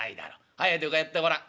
早いとこやってごらん」。